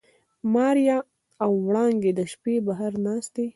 ماريا او وړانګې د شپې بهر ناستې.